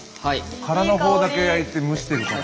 殻の方だけ焼いて蒸してるから。